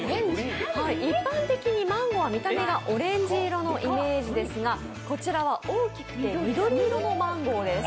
一般的にマンゴーは見た目がオレンジ色のイメージですが、こちらは大きくて緑色のマンゴーです。